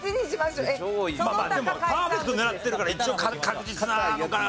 でもパーフェクト狙ってるから一応確実なのから。